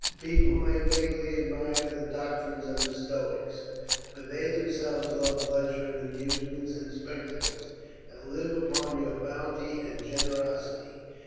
The people may vaguely admire the doctrines of the Stoics, but they themselves love pleasure and amusements and spectacles, and live upon your bounty and generosity.